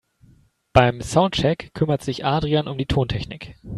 Beim Soundcheck kümmert sich Adrian um die Tontechnik.